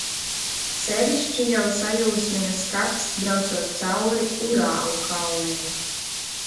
Sevišķi jau sajūsmina skats, braucot cauri Urālu kalniem.